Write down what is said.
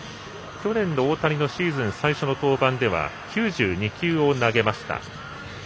去年の大谷のシーズン最初の登板では９２球を投げました。